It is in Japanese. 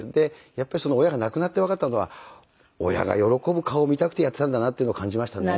やっぱり親が亡くなってわかったのは親が喜ぶ顔を見たくてやっていたんだなっていうのを感じましたね。